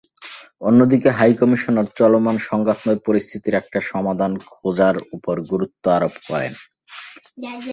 অন্যদিকে হাইকমিশনার চলমান সংঘাতময় পরিস্থিতির একটা সমাধান খোঁজার ওপর গুরুত্বারোপ করেন।